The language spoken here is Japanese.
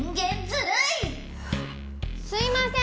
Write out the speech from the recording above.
すいません！